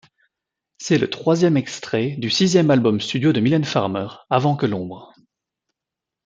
C'est le troisième extrait du sixième album studio de Mylène Farmer, Avant que l'ombre...